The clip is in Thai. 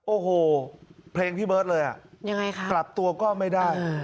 โอ้โหเพลงพี่เบิร์ตเลยอ่ะยังไงคะกลับตัวก็ไม่ได้